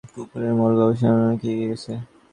কুকুরের মল গবেষণায় অনেক এগিয়ে গেছে।